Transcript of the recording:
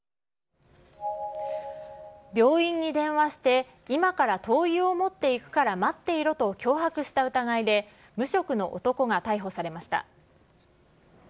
病院に電話して、今から灯油を持っていくから待っていろと脅迫した疑いで、無職の男が逮捕されました。